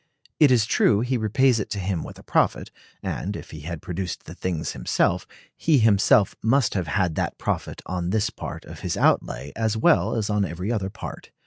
It is true he repays it to him with a profit; and, if he had produced the things himself, he himself must have had that profit on this part of his outlay as well as on every other part.